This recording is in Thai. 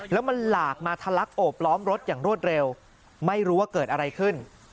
แล้วมันหลากมาทะลักโอบล้อมรถอย่างรวดเร็วไม่รู้ว่าเกิดอะไรขึ้น